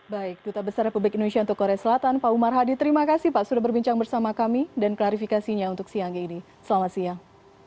baik duta besar republik indonesia untuk korea selatan pak umar hadi terima kasih pak sudah berbincang bersama kami dan klarifikasinya untuk siang ini selamat siang